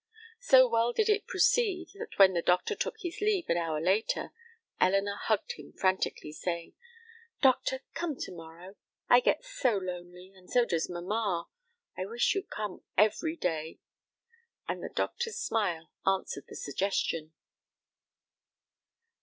So well did it proceed that when the doctor took his leave, an hour later, Elinor hugged him frantically, saying, "Doctor, come to morrow. I get so lonely, and so does mamma. I wish you'd come every day," and the doctor's smile answered the suggestion.